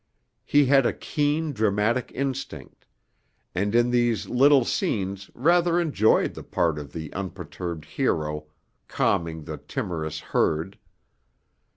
He had a keen dramatic instinct, and in these little scenes rather enjoyed the part of the unperturbed hero calming the timorous herd.